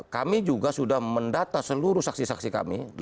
kami juga sudah mendata seluruh saksi saksi kami